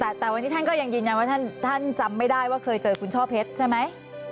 แต่วันนี้ท่านก็ยังยืนยันว่าท่านจำไม่ได้ว่าเคยเจอคุณช่อเพชรใช่ไหม